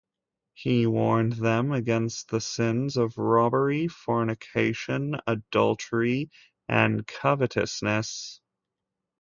He warned them against the sins of robbery, fornication, adultery, and covetousness.